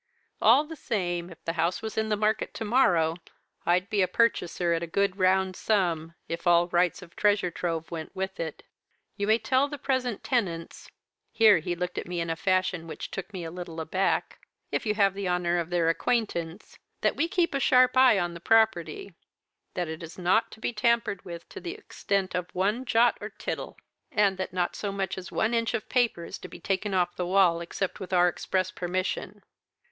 All the same, if the house was in the market to morrow, I'd be a purchaser at a good round sum if all rights of treasure trove went with it. You may tell the present tenants' here he looked at me in a fashion which took me a little aback 'if you have the honour of their acquaintance, that we keep a sharp eye on the property; that it is not to be tampered with to the extent of one jot or tittle; and that not so much as one inch of paper is to be taken off the wall except with our express permission.'"